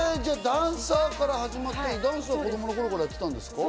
ダンサーから始まって、ダンスは子供の頃からやってたんですか？